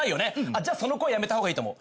じゃあその声やめたほうがいいと思う。